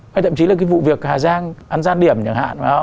hay thậm chí là cái vụ việc hà giang ăn gian điểm chẳng hạn